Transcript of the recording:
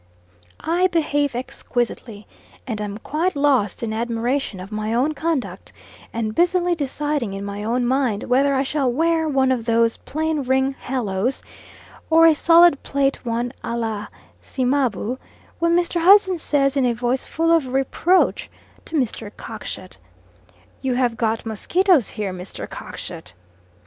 I behave exquisitely, and am quite lost in admiration of my own conduct, and busily deciding in my own mind whether I shall wear one of those plain ring haloes, or a solid plate one, a la Cimabue, when Mr. Hudson says in a voice full of reproach to Mr. Cockshut, "You have got mosquitoes here, Mr. Cockshut."